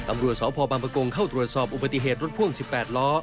ตำรวจสพบังปะกงเข้าตรวจสอบอุบัติเหตุรถพ่วง๑๘ล้อ